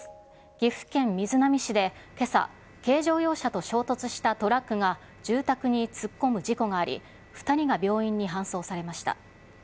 岐阜県瑞浪市でけさ、軽乗用車と衝突したトラックが住宅に突っ込む事故があり、２人が病院に搬送されました。